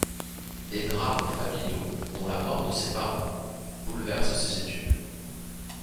Des drames familiaux, dont la mort de ses parents, bouleversent ses études.